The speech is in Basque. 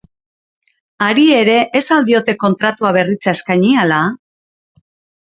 Hari ere ez al diote kontratua berritzea eskaini ala?